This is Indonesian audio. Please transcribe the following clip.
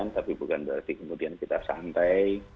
tapi bukan berarti kemudian kita santai